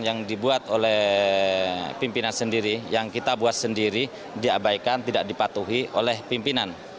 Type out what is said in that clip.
yang dibuat oleh pimpinan sendiri yang kita buat sendiri diabaikan tidak dipatuhi oleh pimpinan